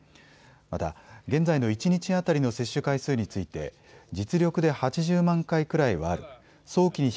また、現在の一日当たりの接種回数について実力で８０万回くらいはある。